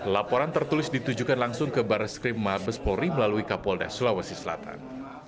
laporan tertulis ditujukan langsung ke baris krim mabes polri melalui kapolda sulawesi selatan